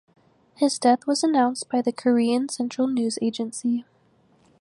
His death was announced by the Korean Central News Agency.